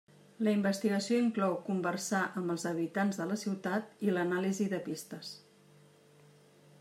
La investigació inclou conversar amb els habitants de la ciutat i l'anàlisi de pistes.